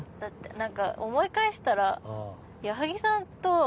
んか思い返したら作さんと。